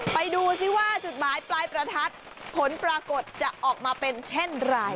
ไปดูซิว่าจุดหมายปลายประทัดผลปรากฏจะออกมาเป็นเช่นไร